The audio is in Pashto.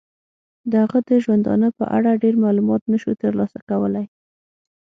د هغه د ژوندانه په اړه ډیر معلومات نشو تر لاسه کولای.